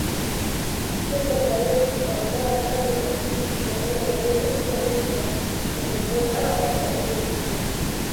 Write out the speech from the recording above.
Kifo cha Yesu kinaondoa dhambi na sii Sheria yenyewe iliyovunjwa Kuzivunja ama kubadili zile